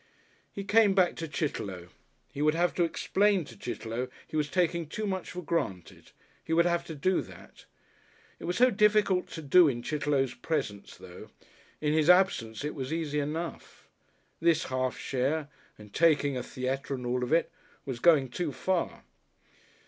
He came back to Chitterlow. He would have to explain to Chitterlow he was taking too much for granted, he would have to do that. It was so difficult to do in Chitterlow's presence though; in his absence it was easy enough. This half share, and taking a theatre and all of it, was going too far.